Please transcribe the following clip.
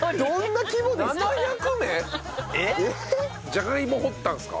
じゃがいも掘ったんですか？